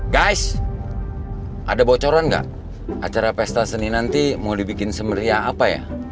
guys ada bocoran nggak acara pesta seni nanti mau dibikin semeriah apa ya